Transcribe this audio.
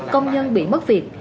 công nhân bị mất việc